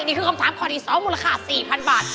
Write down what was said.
นี่คือคำถามคอดิส้มมูลค่า๔๐๐๐บาท